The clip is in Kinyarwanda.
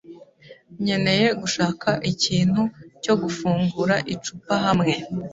Nkeneye gushaka ikintu cyo gufungura icupa hamwe.